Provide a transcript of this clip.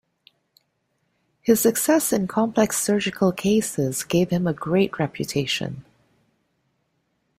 His success in complex surgical cases gave him a great reputation.